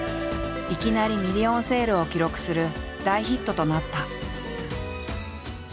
いきなりミリオンセールを記録する大ヒットとなった。